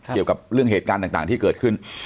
เกี่ยวกับเรื่องเหตุการณ์ต่างที่เกิดขึ้น